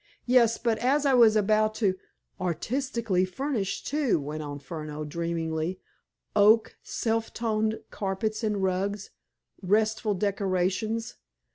"Yes. But, as I was about to—" "Artistically furnished, too," went on Furneaux dreamily. "Oak, self toned carpets and rugs, restful decorations.